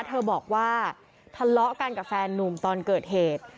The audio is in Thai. เธอบอกว่าทะเลาะกันกับแฟนนุ่มตอนเกิดเหตุ